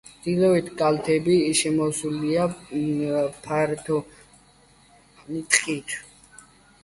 ჩრდილოეთი კალთები შემოსილია ფართოფოთლოვანი ტყით.